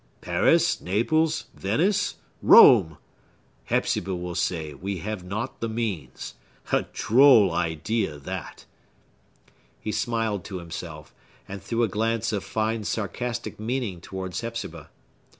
—Paris, Naples, Venice, Rome? Hepzibah will say we have not the means. A droll idea that!" He smiled to himself, and threw a glance of fine sarcastic meaning towards Hepzibah.